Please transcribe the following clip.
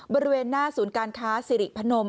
บริเวณหน้าศูนย์การค้าสิริพนม